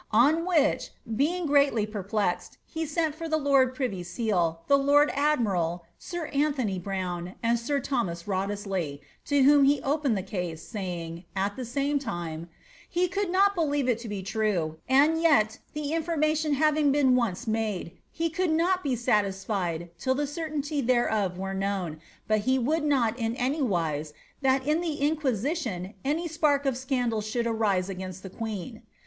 '' On which, being greatly perplexed, he sent for the lord piivy aeal, the lord admiral, sir Anthony Browne, and sir Thomas Wriothes ley, to whom he opened the case, saying, at the same time, ^He coqU not believe it to be true ; and yet, the information having been onee made, he could not be satisfied till the certainty thereof were known, but he would not, in any wise, that in the inquisition any apark of scandal should arise against the queen.''